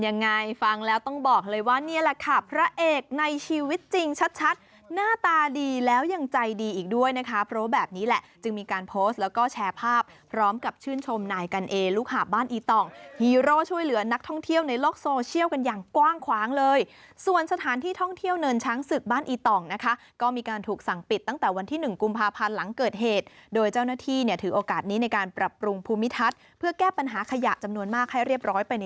ในฟังแล้วต้องบอกเลยว่านี่แหละค่ะพระเอกในชีวิตจริงชัดหน้าตาดีแล้วยังใจดีอีกด้วยนะคะเพราะแบบนี้แหละจึงมีการโพสต์แล้วก็แชร์ภาพพร้อมกับชื่นชมนายกันเอลูกหาบ้านอีต่องฮีโรช่วยเหลือนักท่องเที่ยวในล็อกโซเชียลกันอย่างกว้างคว้างเลยส่วนสถานที่ท่องเที่ยวเนินช้างศึกบ้านอีต่